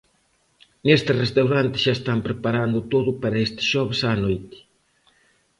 Neste restaurante xa están preparando todo para este xoves á noite.